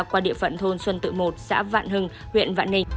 qua địa phận thôn xuân tự một xã vạn hưng huyện vạn ninh